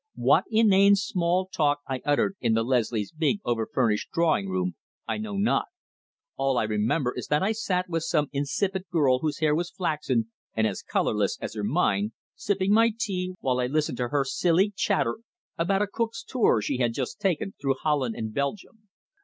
What inane small talk I uttered in the Leslies' big, over furnished drawing room I know not. All I remember is that I sat with some insipid girl whose hair was flaxen and as colourless as her mind, sipping my tea while I listened to her silly chatter about a Cook's tour she had just taken through Holland and Belgium.